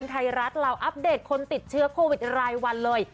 ไทยรัฐเราอัปเดตคนติดเชื้อโควิดรายวันเลย